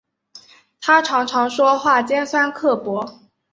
她常常说话尖酸刻薄